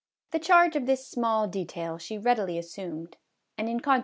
The charge of this small detail she readily assumed, and, in conse MRS.